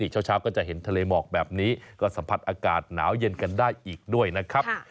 เช้าก็จะเห็นทะเลหมอกแบบนี้ก็สัมผัสอากาศหนาวเย็นกันได้อีกด้วยนะครับ